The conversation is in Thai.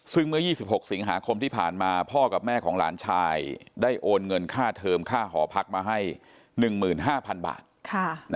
ซึ่งเมื่อ๒๖สิงหาคมที่ผ่านมาพ่อกับแม่ของหลานชายได้โอนเงินค่าเทิมค่าหอพักมาให้๑๕๐๐๐บาท